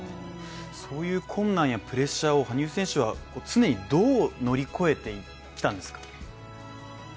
そういう困難やプレッシャーを羽生選手は常にどう乗り越えてきたんですか？